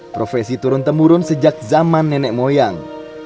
profesi turun temurun sejak zaman nenek moyang